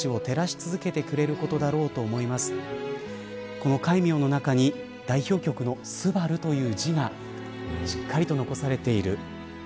この戒名の中に代表曲の昴という字が残されています。